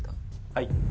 はい。